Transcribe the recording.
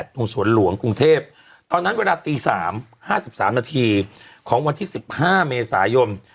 ตรงสวนหลวงกรุงเทพตอนนั้นเวลาตี๓๕๓นาทีของวันที่๑๕เมษายน